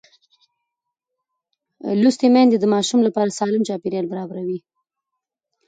لوستې میندې د ماشوم لپاره سالم چاپېریال برابروي.